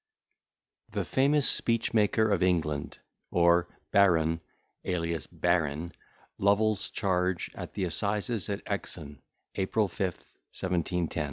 "] THE FAMOUS SPEECH MAKER OF ENGLAND OR BARON (ALIAS BARREN) LOVEL'S CHARGE AT THE ASSIZES AT EXON, APRIL 5, 17IO Risum teneatis? HORAT.